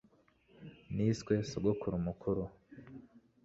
Niswe sogokuru mukuru